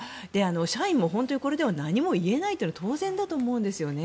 社員もこれでは何も言えないのは当然だと思うんですよね。